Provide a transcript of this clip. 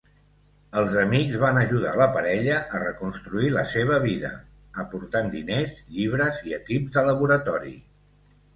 Els amics van ajudar la parella a reconstruir la seva vida, aportant diners, llibres i equips de laboratori.